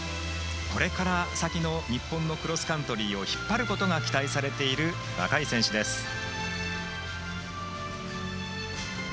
これから先の日本のクロスカントリーを引っ張ることが期待されている若い選手です。